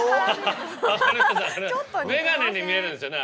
眼鏡に見えるんですよね